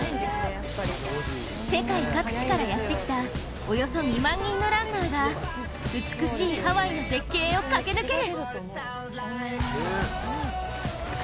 世界各地からやってきたおよそ２万人のランナーが美しいハワイの絶景を駆け抜ける。